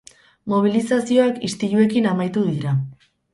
Mobilizazioak istiluekin amaitu dira.